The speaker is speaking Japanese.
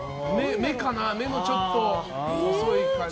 目のちょっと細い感じ。